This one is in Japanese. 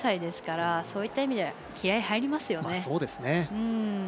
自国開催ですからそういった意味では気合い、入りますよ。